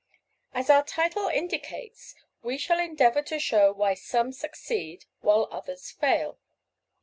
As our title indicates, we shall endeavor to show "why some succeed while others fail."